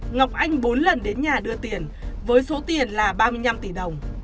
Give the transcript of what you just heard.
ngọc anh bốn lần đến nhà đưa tiền với số tiền là ba mươi năm tỷ đồng